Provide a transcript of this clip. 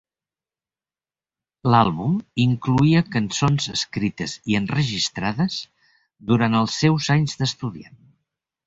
L'àlbum incloïa cançons escrites i enregistrades durant els seus anys d'estudiant.